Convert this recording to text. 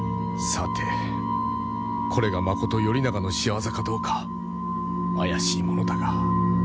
さてこれがまこと頼長の仕業かどうか怪しいものだが。